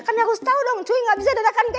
kan harus tau dong cuy gak bisa dadakan kayak gitu kan